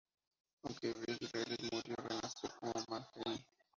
Aunque Brigid O'Reilly murió, renació como Mayhem.